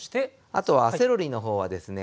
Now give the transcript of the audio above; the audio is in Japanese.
あとはセロリのほうはですね